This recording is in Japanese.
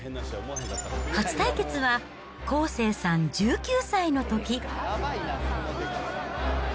初対決は、康生さん１９歳のとき。